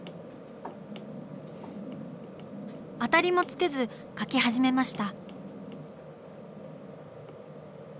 アタリもつけず描き始めました。